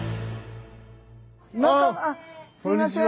あっすいません。